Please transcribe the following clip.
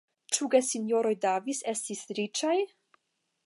Ĉu gesinjoroj Davis estis riĉaj?